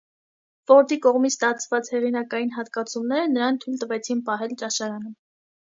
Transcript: Ֆորդի կողմից ստացված հեղինակային հատկացումները նրան թույլ տվեցին պահել ճաշարանը։